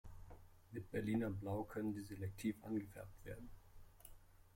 Mit Berliner Blau können sie selektiv angefärbt werden.